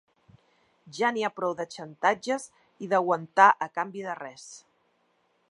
Ja n’hi ha prou de xantatges i aguantar a canvi de res.